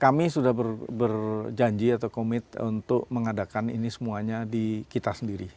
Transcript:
kami sudah berjanji atau komit untuk mengadakan ini semuanya di kita sendiri